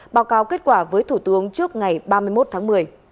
báo cáo kết quả với thủ tướng trước ngày ba mươi một tháng một mươi